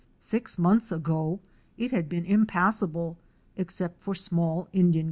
Six months ago it had been impassable, except for small Indian canoes, Fic.